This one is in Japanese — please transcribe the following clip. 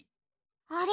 あれ？